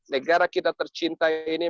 negara kita tercinta ini